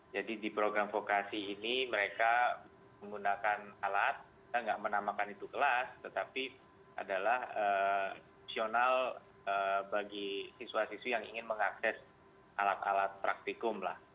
jadi di program vokasi ini mereka menggunakan alat kita tidak menamakan itu kelas tetapi adalah fungsional bagi siswa siswi yang ingin mengakses alat alat praktikum